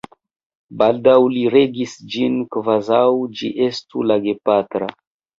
Baldaŭ li regis ĝin kvazaŭ ĝi estu la gepatra.